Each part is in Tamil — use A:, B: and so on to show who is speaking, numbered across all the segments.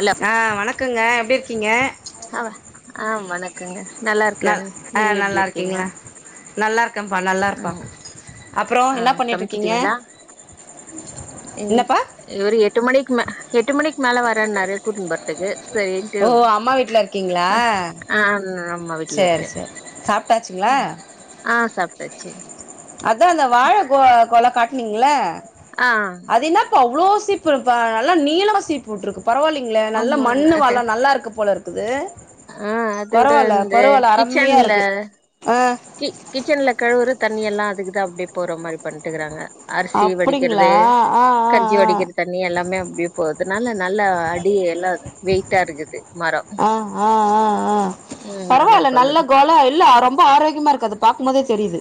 A: ஹலோ
B: ஆஹ் வணக்கங்க எப்படி இருக்கீங்க
A: ப்ப [inaudible] நல்லா
B: நல்
A: இருக்கேன் நீங்க எப்படி இருக்கீங்க
B: நல்லார்
A: உம்
B: என்ன
A: ஆஹ்
B: பண்ணிட்டு இருக்கீங்க
A: சமைச்சட்டீங்களா
B: என்னப்பா
A: ஒரு எட்டு மணிக்கு மே எட்டு மணிக்கு மேல வர நிறைய கூட்டுனுபோறதுக்கு
B: ஓ அம்மா வீட்டில இருக்கீங்களா
A: ஆ நான் அம்மா வீட்லயே
B: சரி
A: இருக்க
B: சரி சாப்பிட்டாச்சுங்களா
A: ச்சு [unintelligible]
B: அதான் அந்த வாழ கொல கட் நிங்களா
A: ஆ
B: அது ன்னப்பா உப் வ்வளோ சீப்ருப்பா நல்ல நீளமா சீப்புட்டுருக்கு பரவாயில்லலைங்களே நல்ல
A: ஆமா
B: மண்ணு
A: ந-
B: வள நல்லா இருக்கு போலருக். க்குது
A: ஆ அதோட இந்த
B: அருமையா
A: கிச்சன்ல
B: இருக்கு ஆ
A: கி கிச்சன்ல கழுவுறத தண்ணியெல்லா அதுக்கு தா அப்டியே போற மாரி பண்ட்டுக்கறாங்க அரிசி
B: அப்டிங்களா
A: வெடிக்கறது
B: ஆ ஆ
A: கஞ்சி
B: ஆ
A: வடிக்கற தண்ணி எல்லாமே அப்டியே போது நல்லன் நல்லா அடி எல்லா வெயிட்டா இருக்குது மரொ
B: ஆ ஆ ஆ ஆ பரவால்ல நல்ல கொலா இல்ல ரொம்ப ஆரோக்கியமா இருக்கு அது பாக்கும்போதே தெரியுது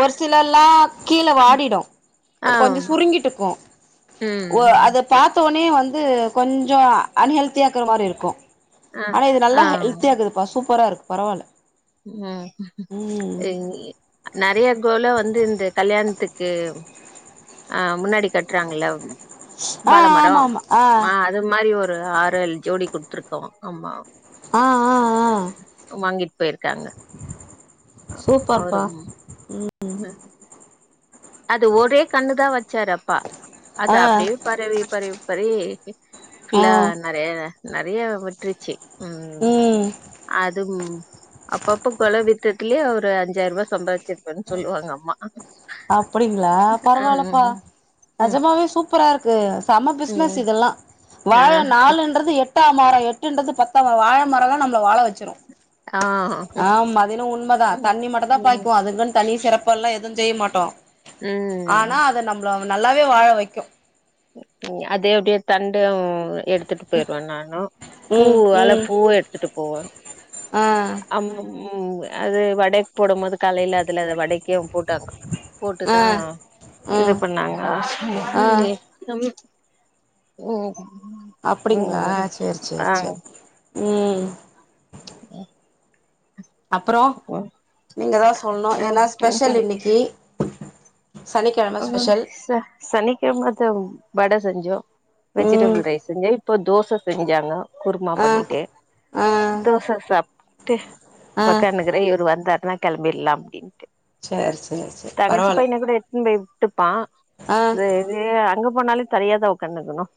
B: ஒரு சில ல்லா கீழே வாடிடும் கொஞ்சொ சுருங்கிட்டு இருக்கும் ஓ
A: ம்.
B: அத பாத்து. த்தனோ வந்து கொஞ்சொ அ அன் ஹெல்தியாக்கற மாரி இருக்கும்.
A: ஆ.
B: ஆனா இது நல்லா
A: ஆ.
B: ஹெல்தியாகுதுப்பா சூப்பரா இருக். பரவால்ல
A: ம்
B: ம்
A: இ நறைய க்கோல வந்து இந்த கல்யாண்த்துக். க்குப் ஆ முன்னாடி கட்றாங்கள்ல வ்
B: ஆ ஆமா
A: வாழமரம்
B: ஆமா ஆ
A: மா அது மாரி ஒரு ஆறு ஏழ் ஜோடி குடுத்துருக்கோம். அம்மா
B: ஆ ஆ ஆ
A: வாங்கிட் போய்ர்க்காங்க அ ஒரு ம்
B: ம்
A: அது ஒரே கன்னுதா வச்சாரு அப்பா அது
B: ஆ
A: அப்டியே பரவி பரவி பரவி க்கு
B: ஆ
A: ல்ல நறைய நறைய விட்ருச்சு ம் அதும் அப்ப அப்ப கொல வித்ததலே அவுர் து அஞ்சாயிரபா சம்பாச் வச்சிர்ப்பேன் சொல்வாங்க அம்மா
B: அப்டிங்களா பரவால்லப்பா
A: ம். ம்
B: நெஜமாவே சூப்பரா இருக் [unintelligible] செம்ம பிஸ்னஸ்
A: ம்
B: இதெல்லா
A: ஆ
B: வாழ நாலுன்றது எட் பத்தா மரம் எட்டுன்றது பத்தாம்ரம் வாழ மரம்ல்லா நம்மள வாழ வச்சுரும்.
A: ஆ
B: ஆஹ் அது என்மோ உண்மை தான்
A: ம்
B: தண்ணி மட்டும் தான்
A: ம்
B: பாய்க்குவோம் அதுங்கன்னு தண்ணி சிறப்பு எல்லாம் எதுவும் மே மாட் [unintelligible] டோம்
A: ம்
B: ஆனா அத நம்மள நல்லாவே வாழ வைக்கும்
A: அதே அப்படியே தண்டு எடுத்துட்டு போயிருவேன் நானு பூ
B: ம்
A: வாழ பூவும் எடுத்துட்டு போவேன்
B: ஆஹ்
A: ம் அது வடக்கு போடும்பது காலையில அதுல அத வடைக்கு போட்டாங்க
B: ஆ
A: போட்டுதான் இது
B: ம்
A: பண்ணாங்க
B: ஆ
A: உம்
B: அப்படிங்களா செரி செரி
A: ஆ
B: செரி உம்
A: உம்
B: அப்புறம் நீங்கள் தான் சொல்ணும் என்னா ஸ்பெஷல் இன்னைக்கு
A: உஹம் ச சனிக்கிழமை தா வட செஞ்சோம்
B: ம்
A: வெஜிடேபல் ரைஸ் வந்து இப்ப தோசை செஞ்சாங்க குருமா
B: ஆ
A: பண்ணிட்டு
B: ஆ
A: தோசை சாப்பிட்டு
B: ஆ
A: உக்காந்துனுயிருக்குறே இவரு வந்துட்டு ஆனா கிளம்பிடலாம் அப்டின்னு
B: சரி சரி சரி பரவால
A: முன்பே [unintelligible] ப்பா வேற [unintelligible] போனாலே தனியா தான் உக்காந்துயிருக்கனும்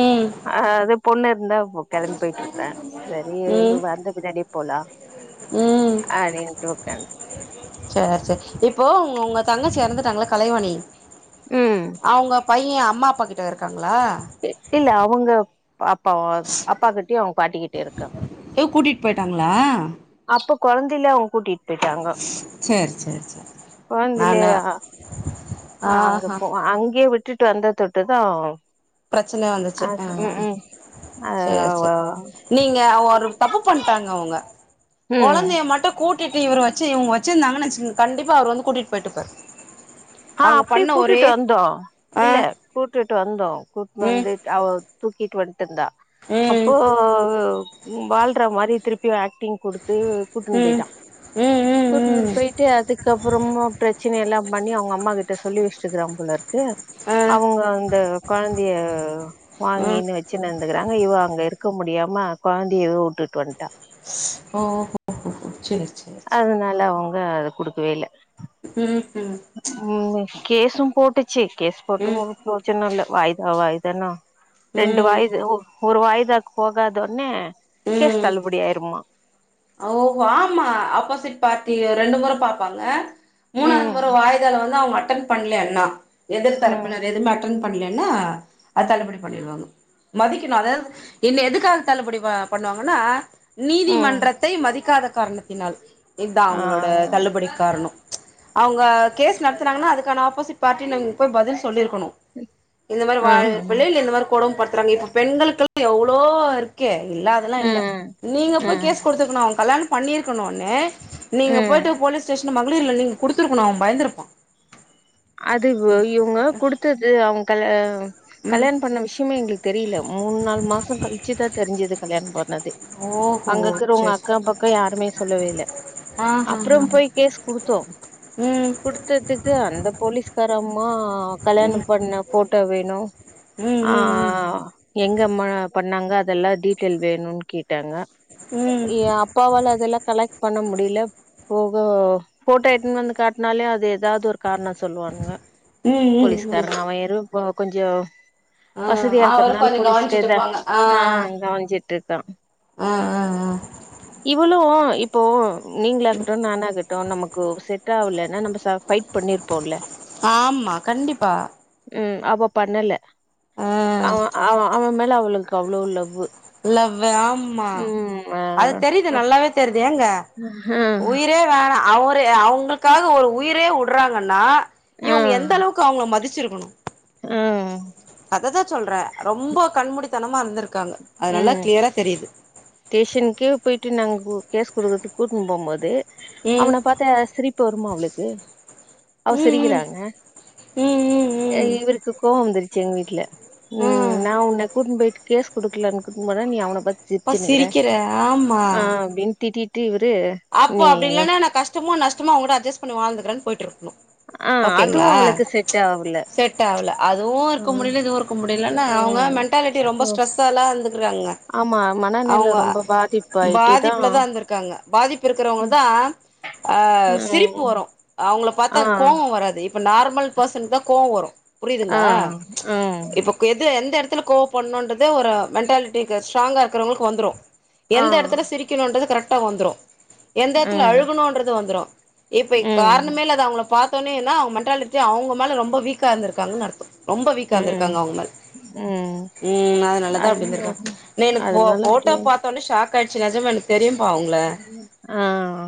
B: ம்
A: அ அது பொண்ணு இருந்தா கிளம்பி போயிட்டு இருப்பேன் சரி
B: ம்
A: வந்து பின்னாடி போலாம்
B: ம்
A: அப்டின்ட்டு உக்காந்துருக்கே
B: சேரி சேரி இப்போ உங்க தங்கச்சி இறந்துட்டாங்கள கலைவணி
A: ம்
B: அவுங்க பையன் அம்மா அப்பா கிட்ட இருக்காங்க
A: இல்ல அவுங்க பாப்பாவும் அப்பாகிட்ட அவுங்க பாட்டிக்கிட்டஇருக்காங்க
B: கூட்டிட் பொயிட்டாங்ளா?
A: ப கொழந்தைலொ கூட்டிட் போயிட்டாங்க
B: சேரி சேரி சேரி நானு
A: கொழந்தலெயா அங்க
B: ஆஹா
A: போ அங்கயே விட்டு ட்டு வந்து தொட்டு தா
B: பிரச்சன வந்துச்சு அ அ சேர் சேர்
A: ஆ
B: நீங்க ஒரு தப்பு பண்டாங்க அவுங்க
A: ம்
B: கொழந்தைய மட்டு கூ கூட்டிட்டு இவரு வச்சு இவுங்க வச்சுருந்தாங்கன் வச்சுங் கண்டிப்பா அவர் வந்து கூட்டிட் போயிட்டிப்பாரு
A: ஆ அப்டியு கூட்டிட்டு வந்தோ
B: ஆ
A: இல்ல கூட்டிட்டு வந்தோ கூ ட்னு
B: ம்
A: வந்துட் அவ தூக்கி ட்டு வந் துர்ந்தா
B: ம்
A: அப்போ வாழ்ற மாரி திருப்பி ஆக்டிங் குடு த்து கூட்டுன்
B: ம்
A: போயிட்டா
B: ம் ம்
A: கூட்னு
B: ம்
A: போயிட்டு அதுக்கப்புறமா பிரச்சன எல்லா பண்ணி அவங்க அம்மா கிட்ட சொல்லி வச்சுட்டுக்குறாம் போலரு க்கு
B: ஆ
A: அவுங்க அந்த கொழந்தைய
B: ஆ
A: வாங்கினு வச்சுனு இந்துகுறாங்க இவ அங்க இருக்க முடியாம கொழந்தைய இவ வுட்டுட்டு வன்ட்டா
B: ஓ ஹோ ஹொ ஹோ சேர் சேர் செரி
A: குடுக்கவேல்ல
B: ம்‌ ம்
A: ம் கேஸும் போட்டு ச்சு கேஸ் போட்டு ஒன்னு ப்ரோஜனொல்ல வாயிதா வாயிதன்னா ரெண்டு
B: ம்
A: வாயிது ஒ ஒரு வாயி தாக்கு போகதொன்னே கேஸ் தள்ளுபடி ஆயிருமா
B: அ ஒ ஆமா ஆப்போசிட் பார்ட்டி ரெண்டு முற பாப்பாங்க மூணாவது
A: ம்
B: முற வாயிதால வந்து அவுங்க அ ட்டன் பண்லேன்னா எதிர்
A: ம்
B: தரப்பினர் எதுமே அட்டன் பண்லென்னா அ தள்ளுபடி பண்ணிடுவாங்க மதிக்கணு அதாவ்து என் எதுக்காக தள்ளுபடி ப பண்ணுவாங்கன்னா
A: ம்
B: நீதிமன்ற த்தை மதிக்காத காரணத்தினால் இதா
A: ஆ
B: அவுங்களோட தள்ளுபடிக் காரணொ அவுங்க கேஸ் நடத்துனாங்கன்னா அதுக்கான ஆப்போசிட் பார்ட்டி நிங் போய் பதில் சொல்லிரு க்கணு இந்த மாரி வாழ விருப்ப
A: ம்
B: இல்ல இல்ல இந்த மாரி கொடும் ப பண்ணி இப்ப பெண்களுக்கெல்லா எவ்ளோ இருக்கே இல்ல அதெல்லா இல்ல
A: ம்
B: நீங்க போய்
A: ம்
B: கேஸ் அவ கல்யாணம் பண்ணிருக்கணுன்னு நீங்க
A: ம்
B: போய்ட்டு போலீஸ் ஸ்டேஷ ன் மகளிர்ல நீங் குடுத்துருக்கணு அவ பயந்துருப்பா
A: அது வ இவுங்க குடுத்தது அவு கல
B: ம்
A: கல்யாண் பண்ண விஷ்யமே எங்ளுக் தெரியில மூண் நாலு மாச கழிச்சுதா தெரிஞ்சது கல்யாணம் பண் ணது
B: ஓஹோ
A: அங்கக்கிறவுங்க
B: சரி
A: அக்க பக்க யாருமே சொல்லவே இல்ல
B: ஆ ஹ ஹ
A: அப்றம்
B: ஹ
A: போய் கேஸ் குடுத்தோ
B: ம்
A: குடுத்ததுக்கு அந்த போலீஸ்காரம்மா
B: ம்
A: கல்யாணம்
B: ம்
A: பண்ண ஃபோட்டோ வேணு ஆ
B: ம் ம்
A: எங்கம்மா பண்ணாங்க அதெல்லா டீட்டெயில் வேணுன் கேட்டாங்க
B: ம்
A: ஏ அப்பாவால அதெல்லா கலெக்ட் பண்ண மு டில போக ஃபோட்டோ எட்டுன் வந்து காட்னாலே அதே தாவ்து ஒரு காரண சொல்லுவான்ங்க
B: ம் ம் ம்
A: போலீஸ்காரங்க அவ எரு பா கொஞ்சோ
B: ஆ
A: வசதியா
B: அவரு
A: இருக்கற்னால
B: கொஞ்ச
A: போலீஸ்
B: கவனிச்சுட்டு
A: கேட்ட
B: இருப்பாங்க
A: ஆ கவன்சிட்ருக்கா
B: அ அ அ
A: இவளு இப்போ நீங்ளாக்கட்டு நானாகட்டு நமக்கு செட் ஆவுல என்னா நம்ப சா ஃபைட் பண்ணிருப்போல்ல
B: மா கண்டிப்பா
A: ம் அவ பண்ணல
B: ஆ
A: அவ அவ அவ மேல அவளு க்கு அவ்ளோ லவ்வு
B: லவ்வு ஆம்மா
A: ம் ஆ
B: அது தெரியிது நல்லாவே தெரிது ஏங்க உயிரே வேணா அவரு அவுங்கள்காக ஒரு உயிரே வுட்றாங்கன்னா
A: ஆ ஆ
B: இவுங்க எந்தளவுக்கு அவுங்கள மதி ச்சிருக்கணு
A: ஆ
B: ததா சொல்றே ரொம்ப கண்முடித் தனமா இருந்திருக்காங்க அது நல்லா
A: ம்
B: கிளியரா தெரியுது
A: ஸ்டேஷனுக்கே போயிட்டு நாங்க கேஸ் குடுறதுக்கு கூட்டின்னு போம்போது
B: ம்
A: அவன பாத்தா யார சிரிப்ப வருமா அவளுக் உ அவ
B: ம் ம்
A: சிரிக்கிறாங்க
B: ம் ம் ம் ம்
A: இவருக்கு கோவோ வந்துரு எங்க வீட்ல உ
B: ம்
A: நா உன்ன கூட்டினு போய்ட்டு கேஸ் குடுக்கலனு கூட்னு போனா நீ அவன பாத்தி சிரி
B: அப்பா சிரிக்கிறே ஆமா
A: ட்டு இவர்
B: அப்போ அப்டி இல்லனா நா கஷ்டமோ நஷ் சும்மா ஒங்கிட்ட அஜ்ஜஸ் பண்ணி வாழ்ந்துக்கிறேனு போய்ட்டுருக்
A: ஆ அதுவு அவளுக்கு செட் ஆவல
B: செட் ஆவல அதுவு இருக்க
A: ம்
B: முடில இதுவு இருக்க முடியலனா அவங்க மென்டாலிட்டி ரொம்ப ஸ்ட்ரெஸ்ஸெலா இந்துக்கிறாங்க
A: ஆமா மனநில
B: அவங்க
A: ரொம்ப பாதிப்பாயிட்டுதா
B: பாதிப்பிலதா இந்திருக்காங்க பாதிப்பு இருக்கிறவங்கதா ஆ சிரிப்பு
A: ம்.
B: வரு அவங்கள
A: ஆ,
B: பாத்தா கோவோ வராது இப்ப நார்மல் பர்சனுக்குதா கோவோ வரு
A: ஆ,
B: புரியுதுங்களா
A: ம்,
B: இப்ப எது எந்த எந்த எடத்துல கோவ படனுங்கிரது ஒரு மென்டாலிட்டிக்கு ஸ்ட்ராங்கா இருக்கறவங்களுக்கு வந்துரோ
A: ஆ,
B: எந்த எடத்துல சிரிக்கணுன்றத கரெக்ட் டா வந்துரு எந்த எட்த்துல
A: ம்,
B: அழுகணோ வந்துரோ இப்ப
A: ம்,
B: காரணமே இல்லாத அவங்கள பாத் பாத்தோனேயனா அவங்க மென்டாலிட்டி அவங்க மேல ரொம்ப வீக்காயிருந்துக்காங்கனு அர்த்தோ ரொம்ப
A: ம்,
B: வீக்காந்திருக்காங்க அவங்க மேல
A: ம்.
B: உ அது நாலதா அப்டி
A: அதுனால
B: இருந்திருக்காங்க இன்னு எனக்கு
A: அதனால
B: ஃபோட்டு
A: அப்படியே
B: பாத்த ஒன்னே ஷாக் காயிடுச்சு நெஜமா எனக்கு தெரியு மா அவுங்கள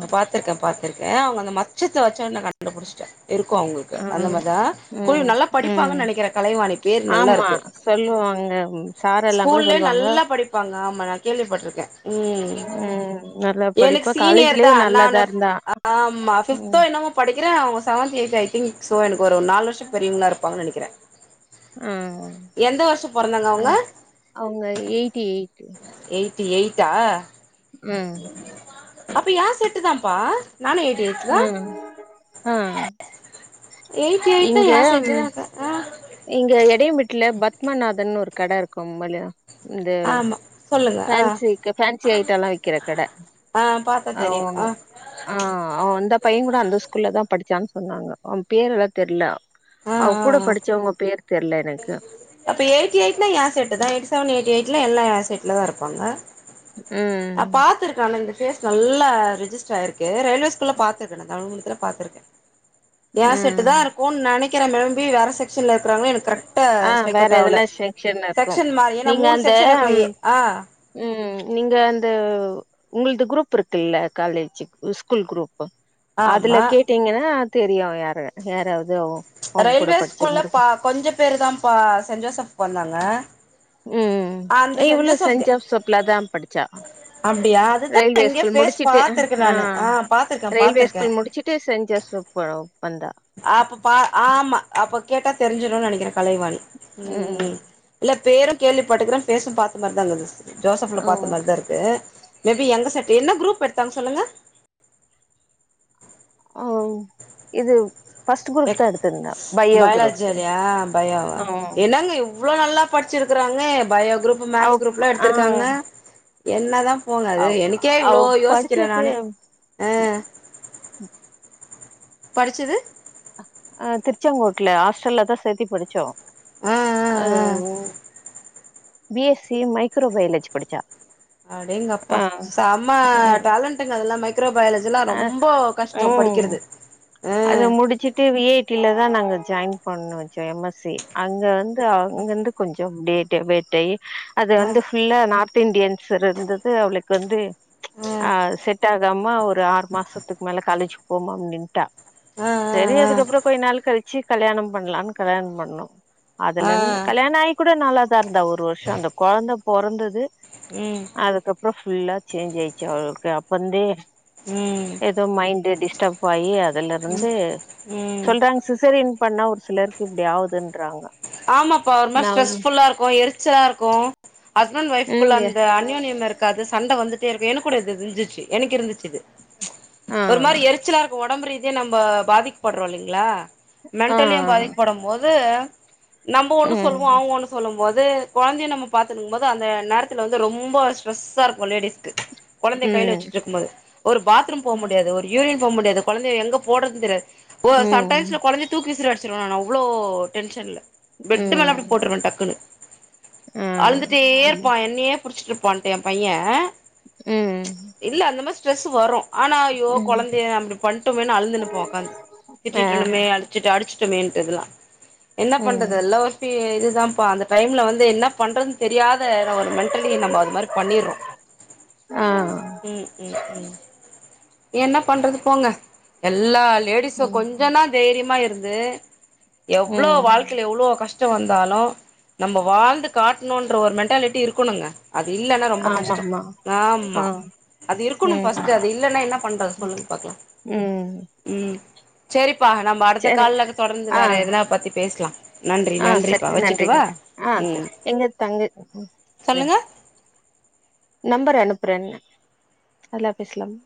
B: நா பாத்திருக்கே பாத்திருக்கே அவங்க அந்த மச்சத்த வச்சே நா கண்டுபிடிச்ட்டே இருக்கு அவங்களுக்கு
A: ஆ,
B: அந்த மாரிதா ஸ்கூல்ல
A: ம்,
B: நல்லா படிப்பாங்கனு
A: ம்.
B: நெனைக்கிறே கலைவாணி பேர் நல்லா
A: ஆமா.
B: இருக்கு
A: சொல்லுவாங்க. ம், சாரெல்லாம் கூட
B: ஸ்கூல்ல
A: சொல்லுவாங்க.
B: நல்லா படிப்பாங்க ஆமா நா கேள்விபட்ருக்கே உ
A: ம். நல்லா
B: எனக்கு
A: படிப்பா
B: சீனியர்தா
A: காலேஜ்லயும் நல்லா
B: நானு
A: தான் இருந்தா.
B: ஆமா
A: ம்,
B: ஃபிப்தோ என்னமோ படி நெனைக்கிரே அவங்க seventh eighth I think so எனக்கு ஒரு நாலுவருஷோ பெரியவங்களா இருப்பாங்கனு நெனைக்கிறே
A: உ
B: எந்த வருஷோ பொறந்தாங்க
A: அ
B: அவுங்க
A: அவங்க எயிட்டி எயிட்
B: ட்டி எயிட்டா
A: ம்
B: அப்ப ஏ செட்டு தாம்பா நானு எய்ட்டி எய்ட்டுதா
A: ம், ஆ.
B: எய்டி எய்ட்னா
A: இங்க
B: ஏ
A: ம்
B: செட்டுதாக்கா ஆ
A: இங்க எடையமெட்டுல பத்மநாதன்னு ஒரு கட இருக்கும்மல இந்த
B: ஆமா சொல்லுங்க ஆ
A: ஃபேன்ஸி க ஃபேன்ஸி ஐட்டொல்லா விக்கிற கட
B: ஆ பாத்தா
A: அ
B: தெரியு
A: ஒங்
B: ஆ
A: அ ஒ அந்த பையங்குட அந்த ஸ்கூல்ல தா படு ச்சான் சொன்னாங்க அவ பேரலா தெர்ல
B: ஆ
A: அவ
B: ஆ
A: கூட
B: ஆ
A: படி பேர் தெர்ல எனக்கு
B: அப்ப எயிட்டி எயிட்னா ஏ செட்டு தா எயிட்டி செவன் எயிட்டி எயிட்லா எல்லா ஏ செட்ல தா இருப்பாங்க நா
A: ம்
B: பாத்துருக்க ஆன இந்த ஃபேஸ் நல்லா ரிஜிஸ்டர் ஆயிருக்கு ரயில்வே ஸ்கூல்ல பாத்துருக்கே நா தமிழ் மீடியத்துல பாத்துருக்கே ஏ
A: ம்
B: செட்டுதா இருக்குன் நனை க்கிறெ மேம்பி வேற செக்ஷன்ல இரு
A: ஆ வேற எதல்லா செக்ஷன் இருக்கு
B: செக்ஷன் மாறி ஏன்னா
A: நீங்க
B: மூணு
A: அந்த
B: செக்ஷன் இருக்கு
A: அம்
B: ஏ ஆ
A: ம் நீங்க அ ந்த உங்கள்து குரூப் இருக்குல்ல காலேஜு ஸ்கூல் குரூப்பு அதுல
B: ஆமா
A: கேட்டீங்கனா தெரியு யாரு யாராவ்தொ
B: அ ரயில்வே ஸ்கூல்ல ப கொஞ்ச பேரு தாம்ப்பா சென்ட் ஜோசப்கு வந்தாங்க
A: ம்
B: அந்த
A: இவளு சென்ட்
B: ஜோசப்க்கு
A: ஜோசப்ல தா படுச்சா
B: அப்டியா அதுதா
A: ரயில்வே
B: எங்கயோ
A: ஸ்கூல்
B: ஃபேஸ்
A: முடுச்சுட்டு அ
B: பாத்துருக்கே
A: ஹா
B: நானு ஆ பாத்துருக்கே
A: ரயில்வே
B: பாத்துருக்கே
A: ஸ்கூல் முடுச்சுட்டு சென்ட் ஜோசப் ப
B: அப்ப பா ஆமா அப்ப கேட்டா தெருஞ்சுரு நனக்கிறே கலைவாணி ம் இல்ல பேரு கேள்வி பட்டுக்கிற பேசு பாத்த மாரிதாங்குது ஜோசப்ல பாத்த மாரிதா இருக்கு மேபி எங்க செட் என்ன குரூப் எடுத்தாங்க சொல்லுங்க
A: அ ஓ இது ஃபர்ஸ்ட் குரூப் தா எடுத்திருந்தா பயோ குரூப்
B: பயொலஜாரியா பயொவா
A: ஆ
B: என்னங்க இ வ்ளோ நல்லா படுச்சிருக்குறாங்க பயோ குரூப்பு
A: அவ
B: மேக்ஸ் குரூப்லா
A: ஆ
B: எடுத்துருக்காங்க என்னதா போங்க அது
A: அவ்
B: எனக்கே
A: அவ
B: இவ்ளோ யோசிக்கிற
A: படிச்சது
B: நானெ ஆ படுச்சது
A: அ திருச்செங்கோட்லதா ஹாஸ்டல்ல தா சேத்தி படிச்சோ
B: ஆ ஆ ஆ
A: பி எஸ் சி மைக்ரோபயாலஜி படிச்சா
B: அடேங்கப்பா
A: ஆ
B: செம
A: ம்
B: டேலண்டுங்க அதலாமை க்ரோ பயாலஜிலா
A: ஆ
B: ரொம்ப கஷ்டோ
A: ம்
B: படிக்கிறது ஆ
A: அத முடிச்சிட்டு வி ஐ டில தா நாங்க ஜாயின் பண்ண வச்சோ எம் எஸ் சி அங்க வந் து அங்கருந்து கொஞ்சோ வ் டேட்டு வெட்டை அது
B: ஆ
A: வந்து ஃபுல்லா நார்த் து இந்தியன்ஸ் இருந்தது அவளுக்கு வந்து ஆ செட் ஆகாம ஒரு ஆறு மாசத்துக்கு மேல காலேஜ் போமாம் நின்ட்டா
B: ஆ ஆ
A: செரி
B: ஆ ஆ
A: அதுக்கப்புறம் கொய் நாள் கழி ச்சி கல்யாணோ பண்லானு கல்யாணோ பண்ணோ
B: ஆ
A: அதுலருந்து கல்யாண ஆயி கூட நல்லாதா அந்த ஒரு வருஷோ அந்த கொழந்த பொறந்தது
B: ம்
A: அதுக்கப்றோ ஃபுல்லா சேஞ்ச் ஆய்ர்ச்சு அவளுக்கு அப்பருந்தே
B: ம்
A: ஏதோ மைண்ட்டு டிஸ் டப் ஆயி அது வந்து
B: ம்
A: சொல்றாங்க சிசேரியன் பண்ணா ஒரு சிலருக்கு இப்டி ஆவுதுன்னு
B: ஆமாப்பா ஒரு மாரி ஸ்ட்ரெஸ்ஃபுல்லா இருக்கு எரிச்சலா இருக்கு ஹஸ்பண்ட் ஒய்ஃகுள்ள
A: ம்
B: அந்த அந்யோன்யம் இருக்காது சண்ட வந்து இருக்கு எனக்கு கூட இது இருஞ்சிச்சு எனக்கு இருந்துச்சு இது ச்
A: ஆ
B: ஒரு மாரி எரிச்சலா இரு இப்ப ஒடம்பு ரீதியா நம்ம பாதிக்கப்படுறோ இல்லைங்களா
A: ஆ
B: மென்டலியு பாதிக்கப்படும் போது துஅ நம்ம ஒண்ணு சொல்லுவோ
A: ம்
B: அவங்க ஒண்ணு சொல்லம் மொது குழந்தையை நம்ம பாத்துக்கும் போது அந்த நேரத்துல வந்து ரொம்ப ஸ்ட்ரெஸ்ஸா இருக்கும் லேடிஸ்க்கு குழந்தைய கையல
A: ம்
B: வச்சுட்ருக்கும்போது ஒரு பாத்ரூம் போ முடியாது ஒரு யூரின் போ முடியாது குழந்தைய எங்க போடறது தெரியாது ஓ சம் டைம்ஸ்
A: ம்
B: குழந்தைய தூக்கி விசிர் அடிச். ச்ருவே நானு அவ்ளோ டென்ஷன்ல பெட்டு் மேல
A: ம்
B: அப்டி போட்ருவேன் டக்குன்னு
A: ஆ
B: அழுந்துட்டே இருப்பா
A: ம்
B: என்னையப் புடிச்சிட்டு இருப்பான்ட்டு என் பையே இல்ல அந்த மஸ் ஸ்ட்ரெஸ் வரும் ஆனா ஐய்யோ
A: ம்
B: குழந்தைய அப்டி பண்ட்டோமேன் அழுந்துன்னுப்ப உக்காந்
A: ஆ
B: திட்டிட்டுன்னுமே அடிச்சிட்டு அடிச் ட்டு மேண்ட்டு இதல்லா பண்றது
A: ம்
B: எல்லா ஒரு ஃபீ இது ந்தாப்பா அந்த டைம்ல வந்து என்ன பண்றன் தெரியாத த ஒரு மென்டலி நம்ப அது மாரி பண்ணிறோம்
A: ஆ
B: ம் ம் ம் என்ன பண்றது போங்க எல்லா ல் லேடிஸ்ஸ
A: ம்
B: கொஞ்சனாச் தைய்ரிமா ஆயிர்து எவ்ளோ
A: ம்
B: வாழ்க் எவ்ளோ கஷ்ட வந்தாலும் நம்ப வாழ்ந்து காட்டணுன்ற ஒரு மென்டாலிட்டி இருக்கணுங்க அது இல்லன்னா ரொம்ப கஷ்டம்
A: ஆமாமா
B: ஆம்மா
A: ஆ
B: அது இருக்கணும்
A: ம்
B: ஃபஸ்ட்டு அது இல்லன்னா என்ன பண்றது சொல்லுங் பாக்கலா
A: ம்
B: ம் செரிப் ப்ப நம்ப அடுத்த
A: சரிங்க
B: கால்ல த தொடர்ந்து
A: ஆ
B: வேற எதனா பத்தி பேசலா நன்றி
A: ஆ
B: நன்றிப்பா
A: சரிங் நன்றிங்
B: வச்சுட்டுவா
A: ஆ சர்
B: ம்
A: எங்க தங்க வே
B: சொல்லுங்க
A: நம்பர் அனுப்புறேன்ன அதெல்லா பேசலாம்